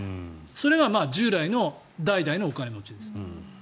それが従来の代々のお金持ちです。